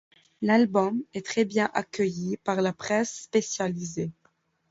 L'album est très bien accueilli par la presse spécialisée.